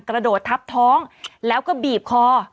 กระโดดทับท้องแล้วก็บีบคอ